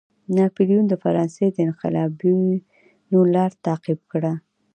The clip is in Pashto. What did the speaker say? ناپلیون د فرانسې د انقلابینو لار تعقیب کړه.